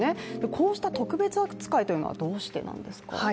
こうした特別扱いというのはどうしてなんですか？